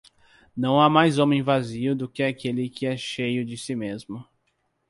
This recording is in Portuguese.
Não há mais homem vazio do que aquele que é cheio de si mesmo.